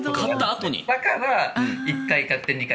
だから、１階買って２階。